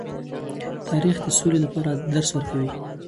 تاریخ د سولې لپاره درس ورکوي.